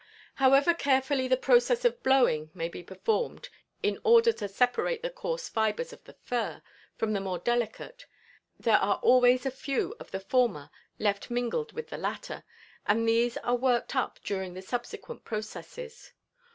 However carefully the process of "blowing" may be performed in order to separate the coarse fibers of the fur from the more delicate, there are always a few of the former left mingled with the latter, and these are worked up during the subsequent processes.